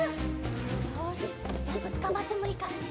よしロープつかまってもいいからね。